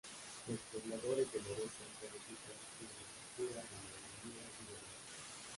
Los pobladores de Loreto se dedican la agricultura, ganadería y obrajes.